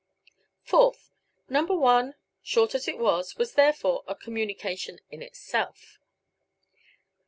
Fourth: No. 1, short as it was, was, therefore, a communication in itself.